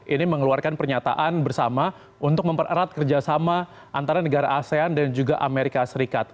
ini mengeluarkan pernyataan bersama untuk mempererat kerjasama antara negara asean dan juga amerika serikat